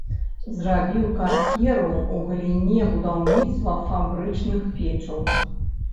Зрабіў кар'еру ў галіне будаўніцтва фабрычных печаў.